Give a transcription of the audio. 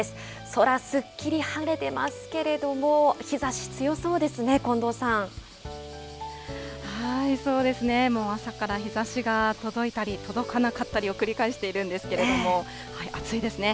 空すっきり晴れてますけれども、そうですね、もう朝から日ざしが届いたり届かなかったりを繰り返しているんですけれども、暑いですね。